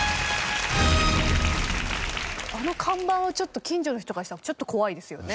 あの看板はちょっと近所の人からしたらちょっと怖いですよね。